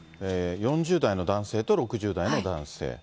４０代の男性と６０代の男性。